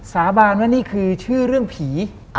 สาบานว่านี่คือชื่อเรื่องผี